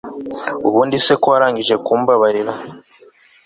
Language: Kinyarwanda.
ubuse ko warangije kumbabaza